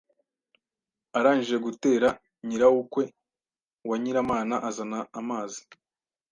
arangije gutera nyiraukwe wa Nyiramana azana amazi